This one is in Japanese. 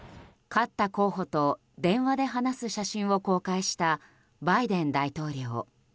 勝った候補と電話で話す写真を公開したバイデン大統領。